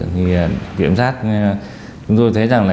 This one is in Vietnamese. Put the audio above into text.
thì kiểm sát chúng tôi thấy rằng là